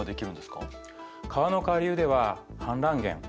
川の下流では氾濫原